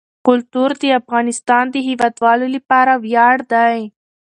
کلتور د افغانستان د هیوادوالو لپاره ویاړ دی.